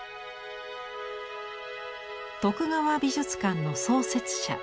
徳川美術館の創設者